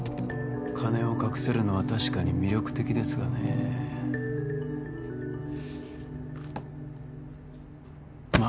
金を隠せるのは確かに魅力的ですがねえま